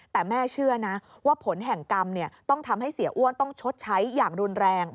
แต่แม่เชื่อนะว่าผลแห่งกรรมต้องทำให้เสียอ้วนต้องชดใช้อย่างรุนแรง